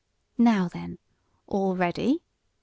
"Now then all ready?"